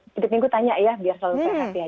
setiap minggu tanya ya biar selalu kesehatan